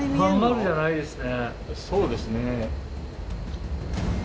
そうですね。